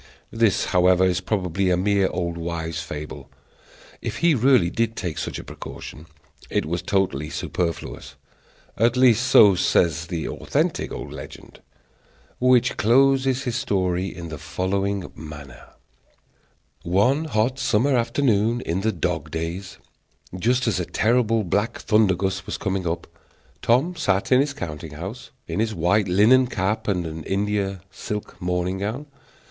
This, however, is probably a mere old wives' fable. If he really did take such a precaution, it was totally superfluous; at least so says the authentic old legend, which closes his story in the following manner: One hot summer afternoon in the dog days, just as a terrible black thunder gust was coming up, Tom sat in his counting house, in his white linen cap and India silk morning gown.